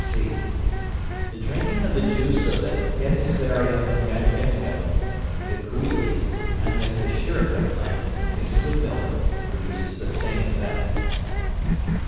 (c). The drinking of the juice of the hedysarum gangeticum, the kuili, and the kshirika plant mixed with milk, produces the same effect.